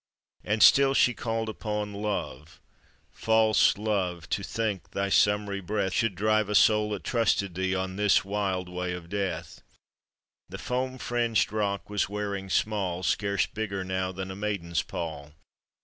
And still she called upon Love: " False Love, To think thy summery breath Should drive a soul that trusted thee On this wild way of death !" The foam fringed rock was wearing small, Scarce bigger now than a maiden's pall.